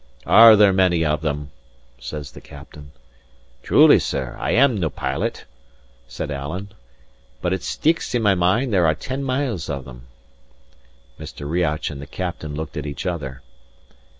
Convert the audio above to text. "Are there many of them?" says the captain. "Truly, sir, I am nae pilot," said Alan; "but it sticks in my mind there are ten miles of them." Mr. Riach and the captain looked at each other.